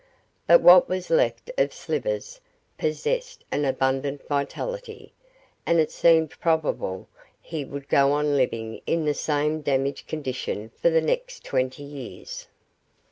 But what was left of Slivers possessed an abundant vitality, and it seemed probable he would go on living in the same damaged condition for the next twenty years.